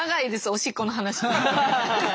おしっこの話。